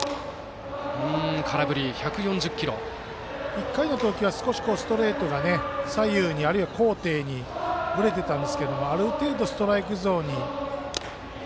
１回の投球は少しストレートが左右に、あるいは高低にぶれていたんですけどもあれを打てるとストライクゾーンに。